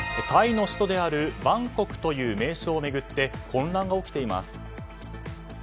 タイの首都であるバンコクという名称を巡って混乱が起きています。